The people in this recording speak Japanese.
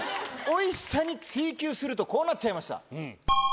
おいしさに追求するとこうなっちゃいました。